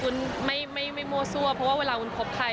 ไม่มั่วซั่วเพราะว่าเวลาวุ้นคบใคร